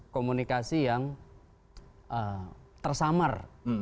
komunikasi yang tersamar